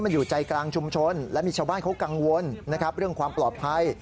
มันอยู่ใจกลางชุมชนและมีชาวบ้านเขากังวลนะครับเรื่องความปลอดภัย